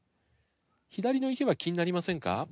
左の池は気になりませんか？